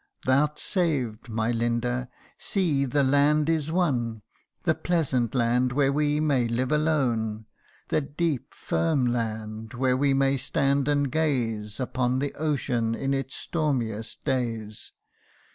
" Thou 'rt saved, my Linda ! See, the land is won The pleasant land where we may live alone : The deep firm land, where we may stand and gaze Upon the ocean in its stormiest days.